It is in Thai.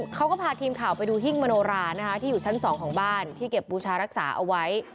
เขาก็พาทีมข่าวไปดูหิ้งมโนรานะคะที่อยู่ชั้น๒ของบ้านที่เก็บบูชารักษาเอาไว้